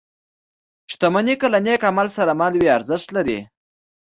• شتمني که له نېک عمل سره مل وي، ارزښت لري.